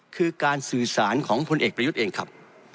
คือการสื่อสารของพลเอกประยุทธ์เองครับ